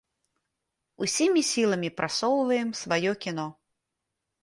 Усімі сіламі прасоўваем сваё кіно.